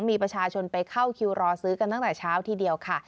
มีประชาชนไปเข้าคิวรอซื้อกันตั้งแต่เช้าทีเดียวค่ะ